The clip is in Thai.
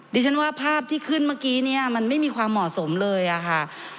ดิฉันว่าภาพที่ขึ้นเมื่อกี้เนี่ยมันไม่มีความเหมาะสมเลยอะค่ะ